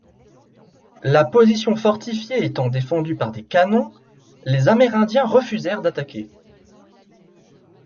La position fortifiée étant défendue par des canons, les Amérindiens refusèrent d'attaquer.